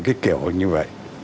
cái kiểu như vậy